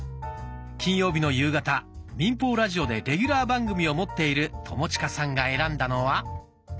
金曜日の夕方民放ラジオでレギュラー番組を持っている友近さんが選んだのは。